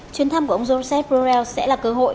chuyến thăm của ông joseph borrell sẽ là cơ hội